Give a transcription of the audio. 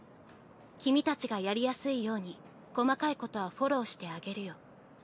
「君たちがやりやすいように細かいことはフォローしてあげるよ。